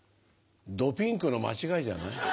「どピンク」の間違いじゃない？